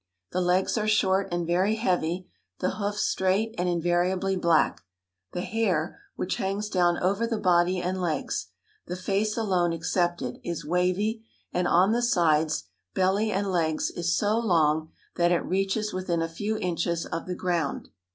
The legs are short and very heavy, the hoofs straight and invariably black. The hair, which hangs down over the body and legs, the face alone excepted, is wavy, and on the sides, belly and legs is so long that it reaches within a few inches of the ground.